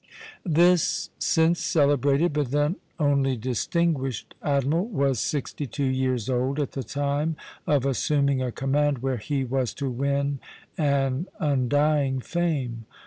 This since celebrated, but then only distinguished, admiral was sixty two years old at the time of assuming a command where he was to win an undying fame.